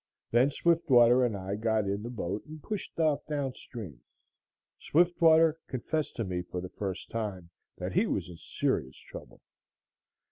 Then Swiftwater and I got in the boat and pushed off down stream. Swiftwater confessed to me for the first time that he was in serious trouble.